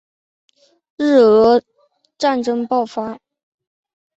日俄战争爆发